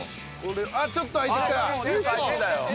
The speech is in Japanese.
俺もちょっと開いてきたよ。